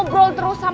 gak ada kerja